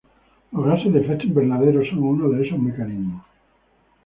Los gases de efecto invernadero son uno de esos mecanismos.